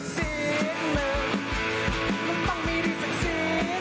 สิ้นหนึ่งมันต้องมีดีสักสิ้นหนึ่ง